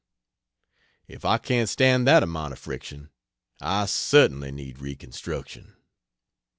If I can't stand that amount of friction, I certainly need reconstruction.